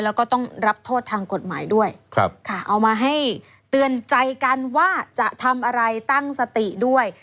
แล้วก็ต้องรับโทษทางกฎหมายด้วยเอามาให้เตือนใจกันว่าจะทำอะไรตั้งสติด้วย